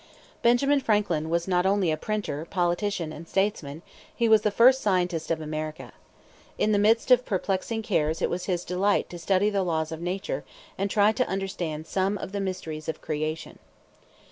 Benjamin Franklin was not only a printer, politician, and statesman, he was the first scientist of America. In the midst of perplexing cares it was his delight to study the laws of nature and try to understand some of the mysteries of creation.